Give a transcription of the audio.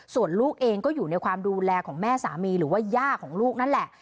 ส่วนลูกเองก็อยู่ในความดูแลของแม่สามีหรือว่าย่าของลูกนั่นแหละ